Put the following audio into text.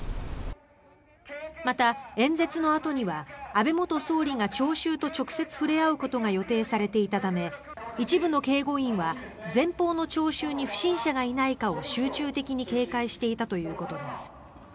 また、演説のあとには安倍元総理が聴衆と直接触れ合うことが予定されていたため一部の警護員は前方の聴衆に不審者がいないかを集中的に警戒していたということです。